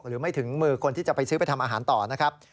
หรือไม่ถึงมือคนที่จะไปซื้อไปทำอาหารต่อนะครับ